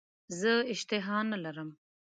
زه اشتها نه لرم .